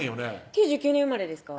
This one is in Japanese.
９９年生まれですか？